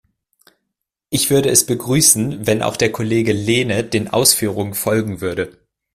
Ich würde es begrüßen, wenn auch der Kollege Lehne den Ausführungen folgen würde.